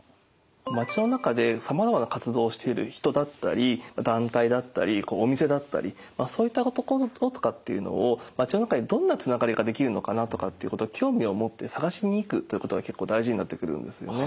町の中でさまざまな活動をしている人だったり団体だったりお店だったりそういったところとかっていうのを町の中でどんなつながりができるのかなとかっていうこと興味を持って探しに行くということが結構大事になってくるんですよね。